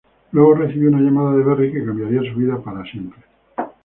Luego recibió una llamada de Berry que cambiaría su vida para siempre.